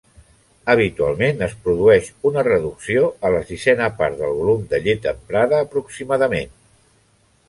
Habitualment es produeix una reducció a la sisena part del volum de llet emprada aproximadament.